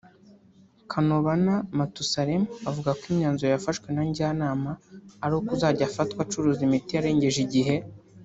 Kanobana Mathusalem avuga ko imyanzuro yafashwe na Njyanama ari uko uzajya ufatwa acuruza imiti yarengeje igihe